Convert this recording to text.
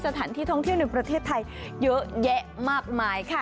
สถานที่ท่องเที่ยวในประเทศไทยเยอะแยะมากมายค่ะ